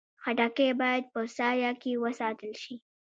خټکی باید په سایه کې وساتل شي.